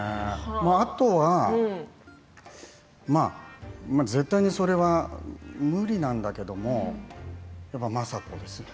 あとは、絶対にそれは無理なんだけれども政子ですよね。